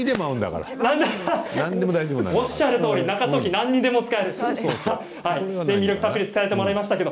おっしゃるとおり何にでも使えます。